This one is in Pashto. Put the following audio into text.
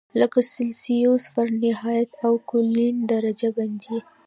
لکه سلسیوس، فارنهایت او کلوین درجه بندي.